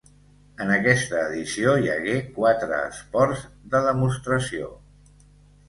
En aquesta edició hi hagué quatre esports de demostració.